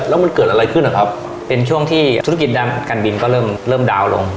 แล้วมันเกิดอะไรขึ้นนะครับเป็นช่วงที่ธุรกิจน้ำการบินก็เริ่มเริ่มดาวน์ลง